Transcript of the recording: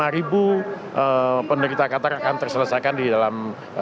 lima ribu penderita qatar akan terselesaikan di dalam